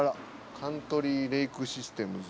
カントリーレイクシステムズ。